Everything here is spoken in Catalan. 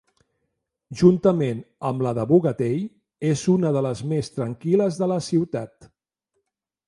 Juntament amb la de Bogatell, és una de les més tranquil·les de la ciutat.